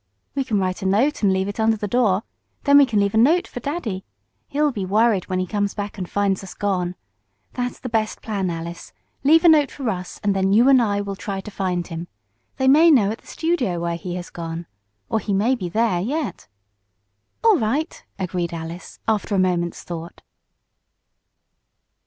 "We can write a note and leave it under the door. Then we can leave a note for daddy. He'll be worried when he comes back and finds us gone. That's the best plan, Alice. Leave a note for Russ, and then you and I will try to find him. They may know at the studio where he has gone. Or he may be there yet." "All right!" agreed Alice, after a moment's thought.